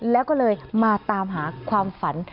แล้วก็เลยมาตามหาความฝัน